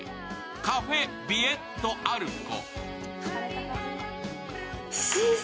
カフェヴィエットアルコ。